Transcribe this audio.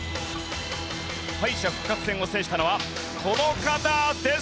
敗者復活戦を制したのはこの方です。